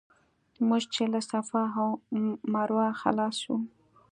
موږ چې له صفا او مروه خلاص شو.